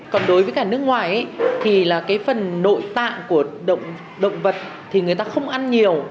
còn đối với cả nước ngoài thì là cái phần nội tạng của động vật thì người ta không ăn nhiều